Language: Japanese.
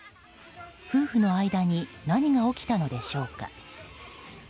夫婦の間に何が起きたのでしょうか。